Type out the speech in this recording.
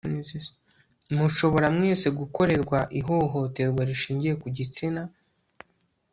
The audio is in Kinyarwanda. mushobora mwese gukorerwa ihohoterwa rishingiye ku gitsina